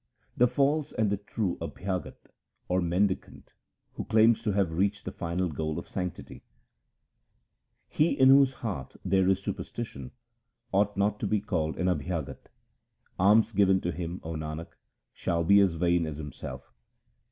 The false and the true Abhyagat, 1 or mendicant, who claims to have reached the final goal of sanctity :— He in whose heart there is superstition ought not to be called an Abhyagat. Alms given to him, O Nanak, shall be as vain as himself.